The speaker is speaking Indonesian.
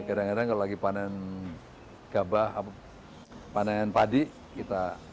kadang kadang kalau lagi panen gabah panen padi kita